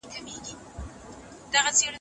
موږ هم باید په ژوند کې لارښود ولرو.